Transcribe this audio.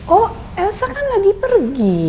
kok elsa kan lagi pergi